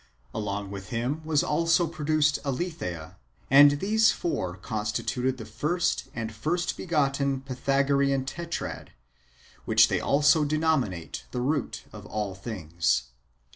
Along with him was also produced Aletheia ; and these four constituted the first and first begotten Pythagorean Tetrad, which they also denominate the root of all things.